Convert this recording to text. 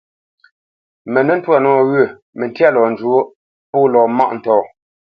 Mə nə́ ntwâ nɔwyə̂, məntya lɔ njwóʼ pô lɔ mâʼ ntɔ̂.